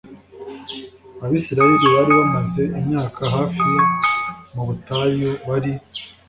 Abisirayeli bari bamaze imyaka hafi mu butayu Bari